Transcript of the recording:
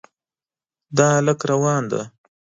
دا هلک روان دی.